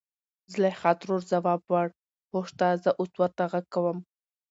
زليخا ترور ځواب وړ .هو شته زه اوس ورته غږ کوم.